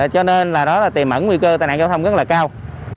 cho nên là đó là tiềm ẩn nguy cơ tai nạn giao thông rất là cao